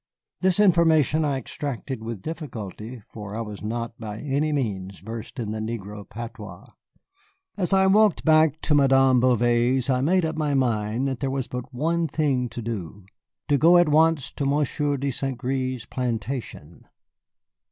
This information I extracted with difficulty, for I was not by any means versed in the negro patois. As I walked back to Madame Bouvet's I made up my mind that there was but the one thing to do, to go at once to Monsieur de Saint Gré's plantation.